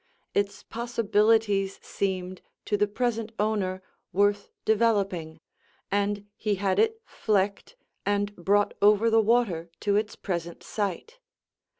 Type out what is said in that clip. Its possibilities seemed to the present owner worth developing, and he had it "flecked" and brought over the water to its present site.